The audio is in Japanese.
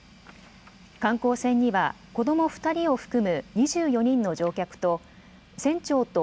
観光船には子ども２人を含む２４人の乗客と船長と